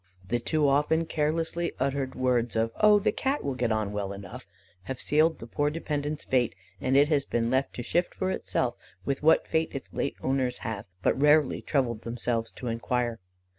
The too often carelessly uttered words of "Oh, the Cat will get on well enough," have sealed the poor dependant's fate, and it has been left to shift for itself, with what fate its late owners have but rarely troubled themselves to enquire.